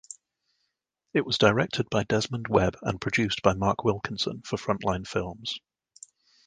It was directed by Desmond Webb and produced by Marc Wilkinson for Frontline Films.